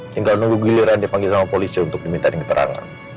tinggal nunggu giliran dipanggil sama polisi untuk diminta ditinggalkan